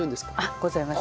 ございます。